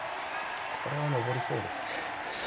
これは登りそうですね。